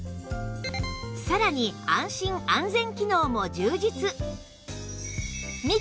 さらに安心・安全機能も充実！